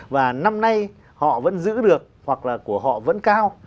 và năm nay họ vẫn giữ được hoặc là của họ vẫn cao